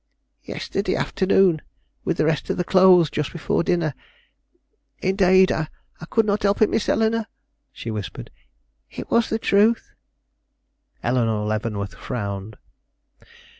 "Yesterday afternoon, with the rest of the clothes, just before dinner. Indade, I could not help it, Miss Eleanore!" she whispered; "it was the truth." Eleanore Leavenworth frowned.